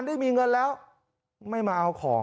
ได้มีเงินแล้วไม่มาเอาของ